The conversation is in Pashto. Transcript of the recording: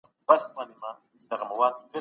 تاسو به خامخا خپل مسؤليت سرته ورسوئ.